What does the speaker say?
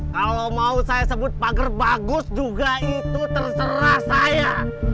kalau mau saya sebut pager bagus juga itu terserah saya